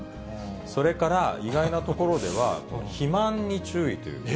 それから意外なところでは、肥満に注意という。